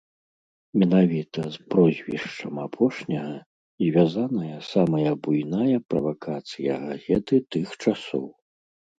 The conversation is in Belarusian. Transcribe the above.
Менавіта з прозвішчам апошняга звязаная самая буйная правакацыя газеты тых часоў.